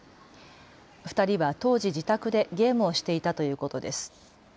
２人は当時、自宅でゲームをしていたということです。